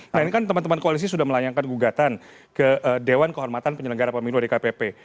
nah ini kan teman teman koalisi sudah melayangkan gugatan ke dewan kehormatan penyelenggara pemilu dkpp